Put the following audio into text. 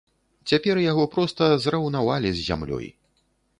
Цяпер яго проста зраўнавалі з зямлёй.